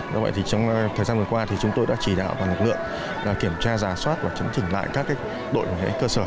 do vậy thì trong thời gian vừa qua thì chúng tôi đã chỉ đạo toàn lực lượng kiểm tra giả soát và chấn chỉnh lại các đội cơ sở